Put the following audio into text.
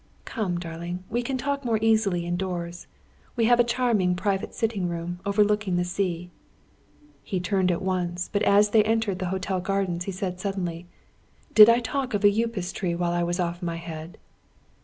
"Come, darling; we can talk more easily indoors. We have a charming private sitting room, overlooking the sea." He turned at once; but as they entered the hotel gardens he said suddenly: "Did I talk of a Upas tree, while I was off my head?"